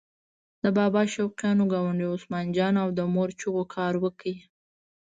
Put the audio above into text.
د بابا شوقیانو ګاونډي عثمان جان او د مور چغو کار وکړ.